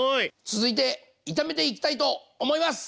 続いて炒めていきたいと思います！